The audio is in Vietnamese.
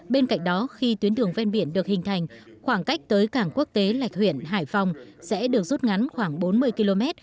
bên cạnh đó khi tuyến đường ven biển được hình thành khoảng cách tới cảng quốc tế lạch huyện hải phòng sẽ được rút ngắn khoảng bốn mươi km